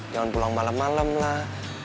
jalan pulang malem malem lah